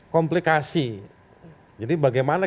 komplikasi jadi bagaimana